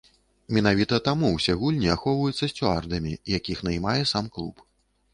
Менавіта таму ўсе гульні ахоўваюцца сцюардамі, якіх наймае сам клуб.